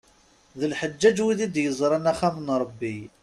D lḥeǧǧaǧ wid i d-yeẓran axxam n Ṛebbi.